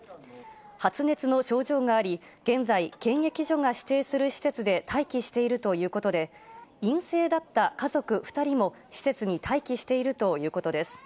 発熱の症状があり、現在、検疫所が指定する施設で待機しているということで、陰性だった家族２人も、施設に待機しているということです。